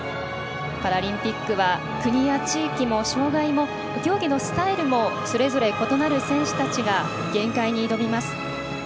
パラリンピックは国や地域も障がいも競技のスタイルもそれぞれ異なる選手たちが限界に挑みます。